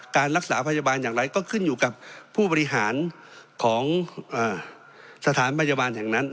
การรักษาพยาบาลอย่างไรก็ขึ้นอยู่กับผู้บริหารของสถานพยาบาลแห่งนั้น